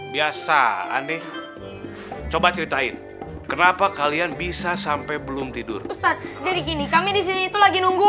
biasa aneh coba ceritain kenapa kalian bisa sampai belum tidur ustadz jadi gini kami disini itu lagi nunggu